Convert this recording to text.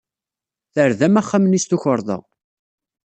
Terdam axeddam-nni s tukerḍa.